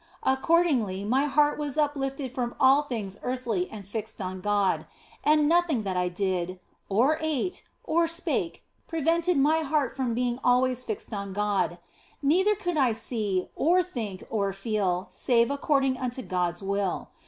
Accordingly my heart was uplifted from all things earthly and fixed on God. And nothing that I did, or ate, or spake prevented my heart from being always fixed on God ; neither could I see, or think, or feel, save according unto God s will.